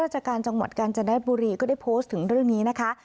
จันทบุรีก็ได้โพสต์ถึงเรื่องนี้นะคะ